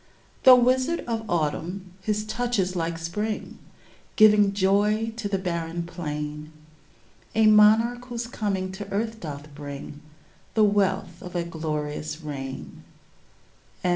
Though Wizard of Autumn, his touch is like Spring, Giving joy to the barren plain, — A Monarch whose coming to earth doth bring The wealth of a glorious reign.